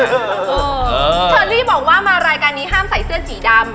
เชอรี่บอกว่ามารายการนี้ห้ามใส่เสื้อสีดำ